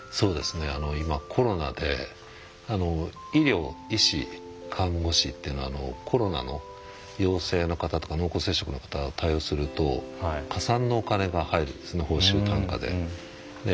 今コロナで医療医師看護師っていうのはコロナの陽性の方とか濃厚接触の方を対応すると加算のお金が入るんですね